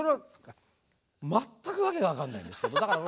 全く訳が分かんないんですけど。